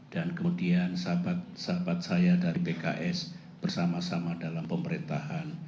dan kemudian sahabat sahabat saya dari pks bersama sama dalam pemerintahan